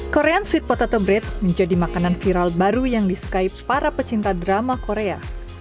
korea sweet potato bread menjadi makanan viral baru yang diskaip para pecinta drama korea